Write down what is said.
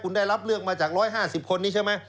คุณได้รับเลือกมาจาก๑๕๐คนนี้ใช่ไหม